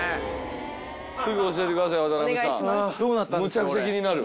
むちゃくちゃ気になる。